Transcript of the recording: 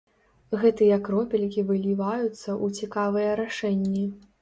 Гэтыя кропелькі выліваюцца ў цікавыя рашэнні.